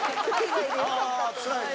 あぁつらいね。